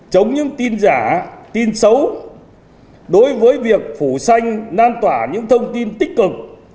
chống những tin giả tin xấu đối với việc phủ xanh lan tỏa những thông tin tích cực